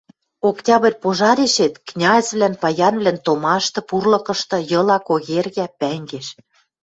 Октябрь пожарешет князьвлӓн, паянвлӓн томашты, пурлыкышты йыла, когергӓ, пӓнгеш...